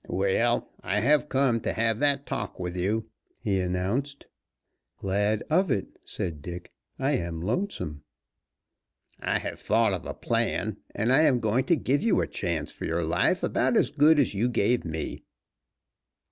"Well, I have come to have that talk with you," he announced. "Glad of it," said Dick, "I am lonesome." "I have thought of a plan, and I am going to give you a chance for your life about as good as you gave me."